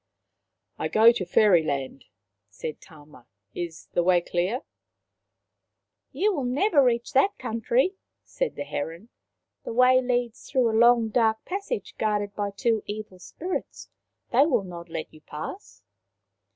" I go to Fairyland/* said Tama. " Is the way clear ?"" You will never reach that country/' said the heron. " The way leads through a long dark passage guarded by two evil spirits. They will not let you pass."